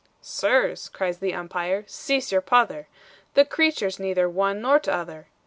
"Sirs," cries the umpire, "cease your pother! The creature's neither one nor t' other.